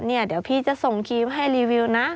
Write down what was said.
เดี๋ยวพี่จะส่งคีย์ให้รีวิวนะ